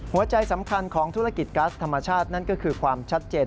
หัวใจสำคัญของธุรกิจกัสธรรมชาตินั่นก็คือความชัดเจน